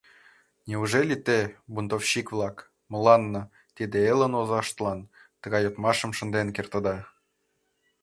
— Неужели те, бунтовщик-влак, мыланна, тиде элын озаштлан, тыгай йодмашым шынден кертыда?